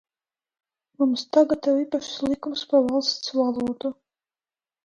Mums tagad ir īpašs likums par valsts valodu.